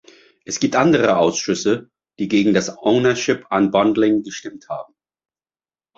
Es gibt andere Ausschüsse, die gegen das ownership unbundling gestimmt haben.